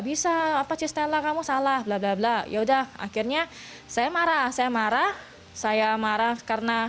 bisa apa cistela kamu salah blablabla ya udah akhirnya saya marah saya marah saya marah karena